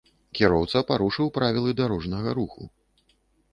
Кіроўца парушыў правілы дарожнага руху.